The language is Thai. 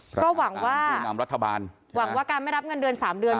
ก็หวังว่าผู้นำรัฐบาลหวังว่าการไม่รับเงินเดือน๓เดือน